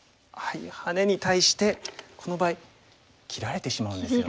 ハネに対してこの場合切られてしまうんですよね。